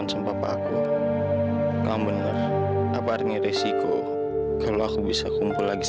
terus ngapain sih diambil sama kak